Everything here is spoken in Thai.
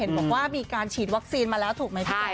บอกว่ามีการฉีดวัคซีนมาแล้วถูกไหมพี่แจ